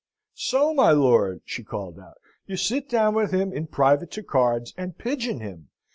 "So, my lord!" she called out, "you sit down with him in private to cards, and pigeon him!